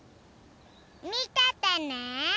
みててね。